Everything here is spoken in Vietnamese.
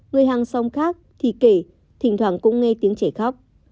người hàng xóm khác thì kể thỉnh thoảng cũng nghe tiếng trẻ khóc